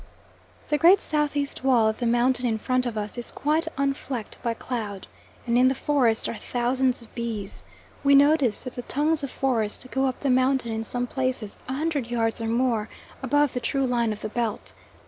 The great south east wall of the mountain in front of us is quite unflecked by cloud, and in the forest are thousands of bees. We notice that the tongues of forest go up the mountain in some places a hundred yards or more above the true line of the belt.